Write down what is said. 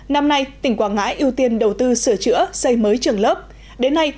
năm nay tỉnh quảng ngãi ưu tiên đầu tư sửa chữa xây mới trường lớp đến nay